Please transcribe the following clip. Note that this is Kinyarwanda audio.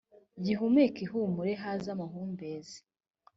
gihumeke ihumure haze amahumbezi